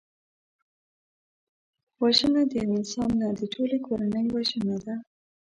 وژنه د یو انسان نه، د ټولي کورنۍ وژنه ده